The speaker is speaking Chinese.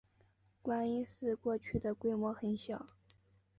观音寺过去的规模很小。